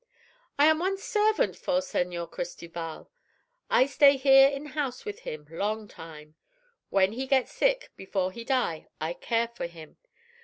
"I am once servant for Señor Cristoval. I stay here in house with him, long time. When he get sick, before he die, I care for him.